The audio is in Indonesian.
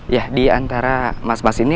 ya diantara mas mas ini